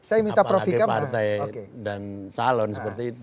apalagi partai dan calon seperti itu